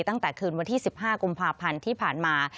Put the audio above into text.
ตั้งแต่คืนวันที่๑๕กุมภาพันธ์ที่ผ่านมา